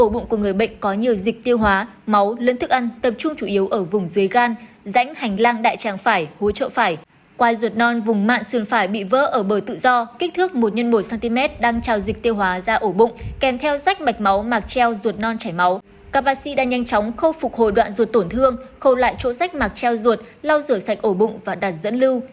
bác sĩ đã nhanh chóng khâu phục hồi đoạn ruột tổn thương khâu lại chỗ rách mạc treo ruột lau rửa sạch ổ bụng và đặt dẫn lưu